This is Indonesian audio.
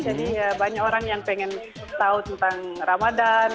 jadi banyak orang yang pengen tahu tentang ramadan